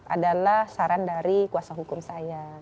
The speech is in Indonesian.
adalah saran dari kuasa hukum saya